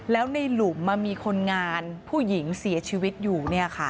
แล้วในหลุมมีคนงานผู้หญิงเสียชีวิตอยู่